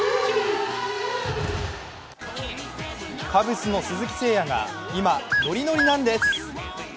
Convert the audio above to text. カブスの鈴木誠也が今ノリノリなんです。